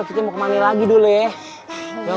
kita mau kemana lagi dulu ya